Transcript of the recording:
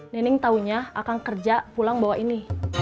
nining taunya akang kerja pulang bawah ini